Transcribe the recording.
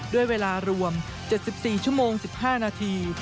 ด้วยเวลารวม๗๔ชั่วโมง๑๕นาที